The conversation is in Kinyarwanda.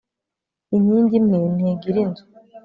inkingi imwe ntigira inzu